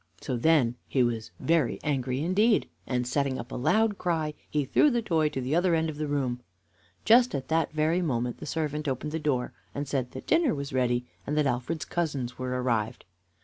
So then he was very angry indeed, and, setting up a loud cry, he threw the toy to the other end of the room. Just at this very moment the servant opened the door and said that dinner was ready, and that Alfred's cousins were arrived.